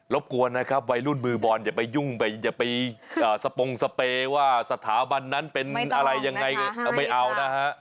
บกวนนะครับวัยรุ่นมือบอลอย่าไปยุ่งไปอย่าไปสปงสเปย์ว่าสถาบันนั้นเป็นอะไรยังไงไม่เอานะฮะ